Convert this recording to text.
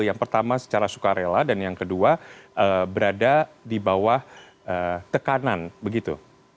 yang pertama secara sukarela dan yang kedua berada di bawah tekanan begitu